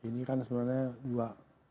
ini kan sebenarnya juga